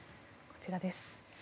こちらです。